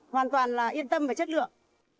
hoàn toàn là yên tâm về chất lượng